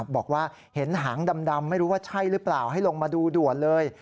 บอกว่าเห็นหางดำไม่รู้ว่าใช่หรือเปล่าให้ลงมาดูด่วนเลย